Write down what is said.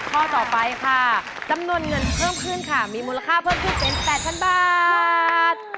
ข้อต่อไปค่ะจำนวนเงินเพิ่มขึ้นค่ะมีมูลค่าเพิ่มขึ้นเป็น๘๐๐๐บาท